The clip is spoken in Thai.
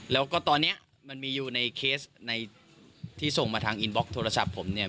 แล้วก็ตอนนี้มันมีอยู่ในเคสในที่ส่งมาทางอินบล็อกโทรศัพท์ผมเนี่ย